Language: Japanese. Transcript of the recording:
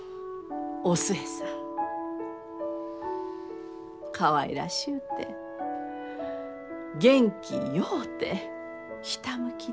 お寿恵さんかわいらしゅうて元気ようてひたむきで。